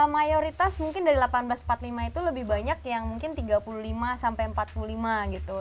mayoritas mungkin dari seribu delapan ratus empat puluh lima itu lebih banyak yang mungkin tiga puluh lima sampai empat puluh lima gitu